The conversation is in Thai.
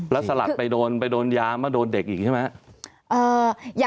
แล้วสลัดไปโดนไปโดนยามาโดนเด็กอีกใช่ไหม